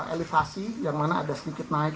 elitasi yang mana ada sedikit naik